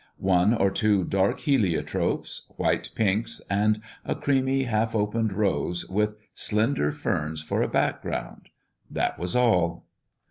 One or two dark heliotropes, white pinks, and a creamy, half opened rose, with slender ferns for a background: that was all.